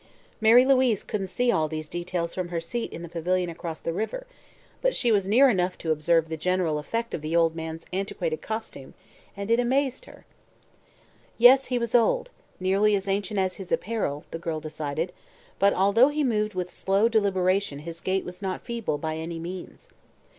Mary Louise couldn't see all these details from her seat in the pavilion across the river, but she was near enough to observe the general effect of the old man's antiquated costume and it amazed her. Yes, he was old, nearly as ancient as his apparel, the girl decided; but although he moved with slow deliberation his gait was not feeble, by any means.